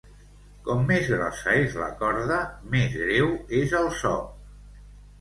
Com més grossa és la corda, més greu és el so.